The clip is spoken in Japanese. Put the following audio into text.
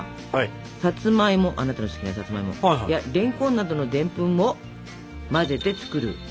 さつまいもあなたの好きなさつまいもやれんこんなどのでんぷんを混ぜて作るものがわらび餅粉。